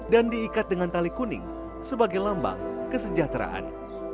dan diikat dengan tali kuning sebagai lambang kesejahteraan